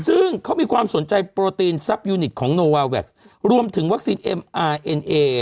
ซึ่งเขามีความสนใจโปรตีนซับยูนิคของโนวาแวครวมถึงวัคซีนเอ็มอาร์เอ็นเอ